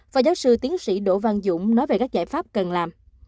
và giáo sư tiến sĩ đỗ văn dũng nói về các giải pháp cần làm